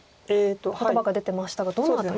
言葉が出てましたがどの辺りでしょう？